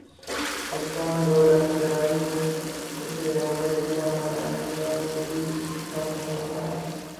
پاکستان دو لخت کیا ہو اسے یوم دفاع منانے کا کوئی حق نہیں ہے